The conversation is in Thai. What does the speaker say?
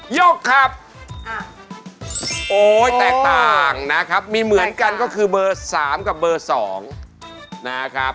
ยกครับโอ้ยแตกต่างนะครับมีเหมือนกันก็คือเบอร์๓กับเบอร์๒นะครับ